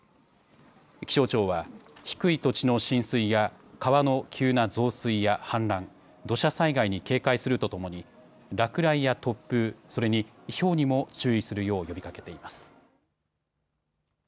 気象庁は低い土地の浸水や川の急な増水や氾濫、土砂災害に警戒するとともに落雷や突風、それに、ひょうにも注意するよう呼びかけています。